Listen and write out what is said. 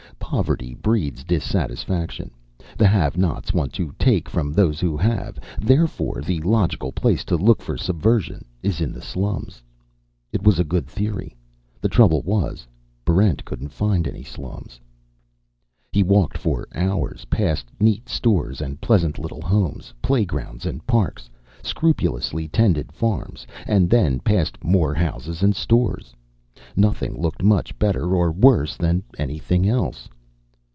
Poverty breeds dissatisfaction; the have nots want to take from those who have. Therefore, the logical place to look for subversion is in the slums. It was a good theory. The trouble was, Barrent couldn't find any slums. He walked for hours, past neat stores and pleasant little homes, playgrounds and parks, scrupulously tended farms, and then past more houses and stores. Nothing looked much better or worse than anything else.